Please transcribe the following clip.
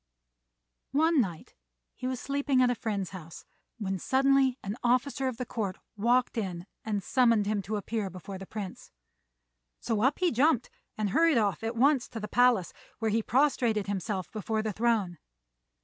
One night he was sleeping at a friend's house when suddenly an officer of the court walked in and summoned him to appear before the Prince; so up he jumped, and hurried off at once to the palace, where he prostrated himself before the throne.